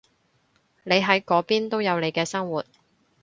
你喺嗰邊都有你嘅生活